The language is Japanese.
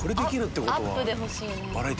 アップで欲しいね。